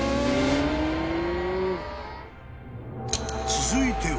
［続いては］